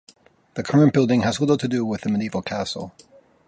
The current building has little to do with the medieval castle.